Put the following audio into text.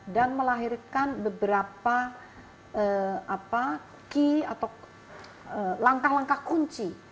dan melahirkan beberapa key atau langkah langkah kunci